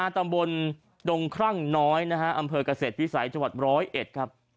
ตำบลดงคลั่งน้อยอำเภอกเกษตรพิษัทจร้อย๑ครับ